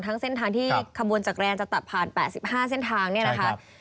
ทั้งเส้นทางที่ขบวนจักรยานจะตัดผ่าน๘๕เส้นทางเนี่ยนะครับ